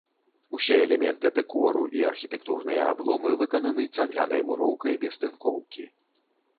Усе элементы дэкору і архітэктурныя абломы выкананы цаглянай муроўкай без тынкоўкі.